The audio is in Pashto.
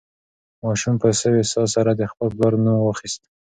ماشوم په سوې ساه سره د خپل پلار نوم واخیست.